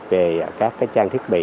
về các trang thiết bị